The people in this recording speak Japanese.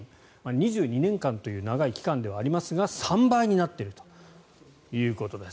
２２年間という長い期間ではありますが３倍になっているということです。